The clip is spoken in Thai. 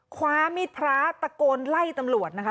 คว้ามีดพระตะโกนไล่ตำรวจนะคะ